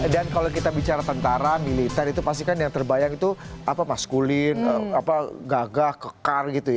dan kalau kita bicara tentara militer itu pasti kan yang terbayang itu maskulin gagah kekar gitu ya